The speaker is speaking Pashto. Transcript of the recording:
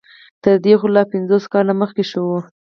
تر دې خو لا پنځوس کاله مخکې ښه وو.